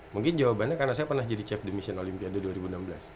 mungkin jawabannya karena saya pernah jadi chef de mission olimpiade dua ribu enam belas